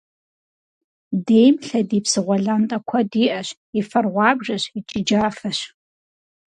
Дейм лъэдий псыгъуэ лантӏэ куэд иӏэщ, и фэр гъуабжэщ икӏи джафэщ.